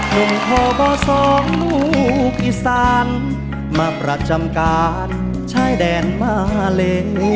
หนุ่มทบ๒ลูกอีสานมาประจำการชายแดนมาเล